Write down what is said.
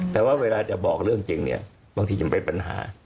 แต่ว่าเวลาจะบอกเรื่องจริงเนี่ยบางทียังเป็นปัญหา